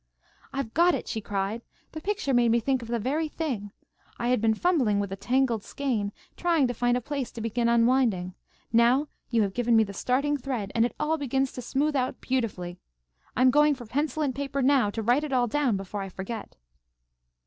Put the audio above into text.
"I've got it!" she cried. "The picture made me think of the very thing. I had been fumbling with a tangled skein, trying to find a place to begin unwinding. Now you have given me the starting thread, and it all begins to smooth out beautifully. I'm going for pencil and paper now, to write it all down before I forget."